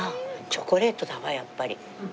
チョコレートだわやっぱり。